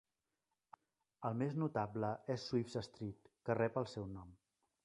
El més notable és Swift's Street, que rep el seu nom.